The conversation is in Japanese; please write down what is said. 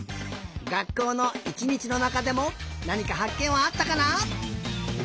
がっこうのいちにちのなかでもなにかはっけんはあったかな？